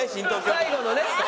最後のね。